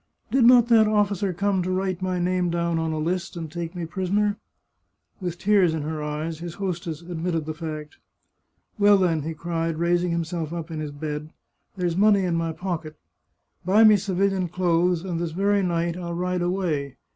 " Did not that officer come to write my name down on a list and take me prisoner ?" With tears in her eyes his hostess admitted the fact. " Well, then," he cried, raising himself up in his bed, "there's money in my pocket. Buy me civilian clothes, and this very night I'll ride away.